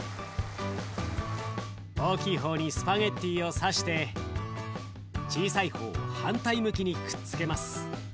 大きい方にスパゲッティを刺して小さい方を反対向きにくっつけます。